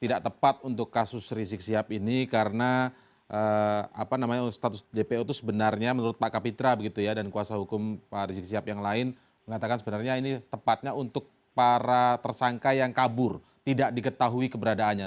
tidak tepat untuk kasus rizik sihab ini karena status dpo itu sebenarnya menurut pak kapitra begitu ya dan kuasa hukum pak rizik sihab yang lain mengatakan sebenarnya ini tepatnya untuk para tersangka yang kabur tidak diketahui keberadaannya